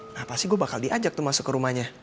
nah pasti gue bakal diajak tuh masuk ke rumahnya